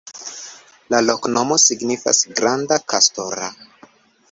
La loknomo signifas: granda-kastora.